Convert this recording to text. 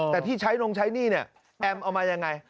แต่ที่ใช้น้องใช้หนี้แอมเอามาอย่างไร